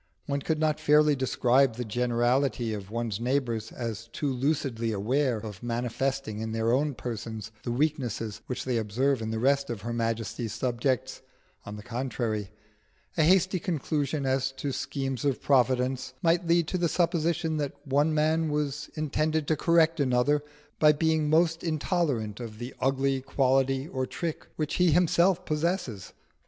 One could not fairly describe the generality of one's neighbours as too lucidly aware of manifesting in their own persons the weaknesses which they observe in the rest of her Majesty's subjects; on the contrary, a hasty conclusion as to schemes of Providence might lead to the supposition that one man was intended to correct another by being most intolerant of the ugly quality or trick which he himself possesses.